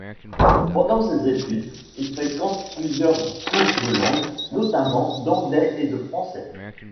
Pendant ses études, il fréquente plusieurs cours de langue, notamment d'anglais et de français.